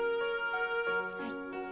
はい。